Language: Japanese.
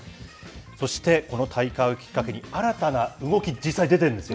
そして、この大会をきっかけに、新たな動き、実際出てるんですよ。